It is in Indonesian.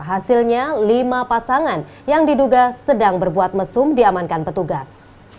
hasilnya lima pasangan yang diduga sedang berbuat mesum diamankan petugas